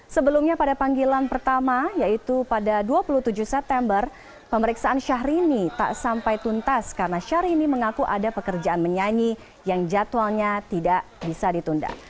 sebelumnya pada panggilan pertama yaitu pada dua puluh tujuh september pemeriksaan syahrini tak sampai tuntas karena syahrini mengaku ada pekerjaan menyanyi yang jadwalnya tidak bisa ditunda